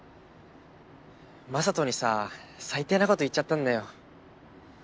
雅人にさ最低なこと言っちゃったんだよ。